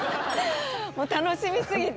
もう楽しみすぎて。